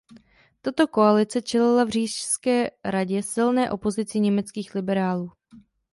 Tato koalice čelila v Říšské radě silné opozici německých liberálů.